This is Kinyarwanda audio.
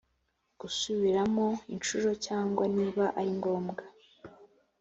gusubiramo inshuro cyangwa niba ari ngombwa